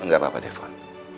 gak papa defon